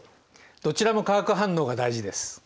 どちらも化学反応が大事です。